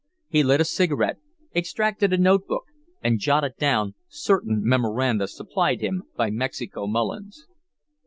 He lit a cigarette, extracted a note book, and jotted down certain memoranda supplied him by Mexico Mullins.